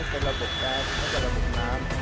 เป็นระบบแก๊สและระบบน้ำ